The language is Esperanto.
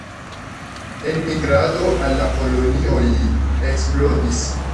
Enmigrado al la kolonioj eksplodis.